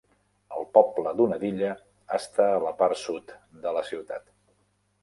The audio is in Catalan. El poble d'Unadilla està a la part sud de la ciutat.